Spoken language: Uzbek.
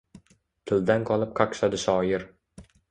Tildan qolib qaqshadi shoir!